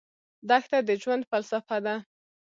دښته د ژوند فلسفه ده.